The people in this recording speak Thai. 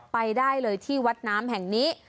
ไปได้เลยที่วัดน้ำแห่งนี้